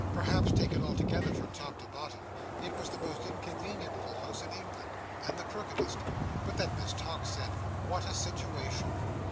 Perhaps, taken altogether, from top to bottom, it was the most inconvenient little house in England, and the crookedest; but then, Miss Tox said, what a situation!